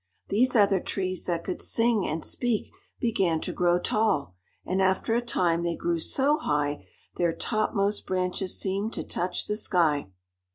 These other trees that could sing and speak began to grow tall, and after a time they grew so high their topmost branches seemed to touch the sky.